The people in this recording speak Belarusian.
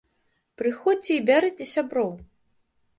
Прыходзьце і бярыце сяброў!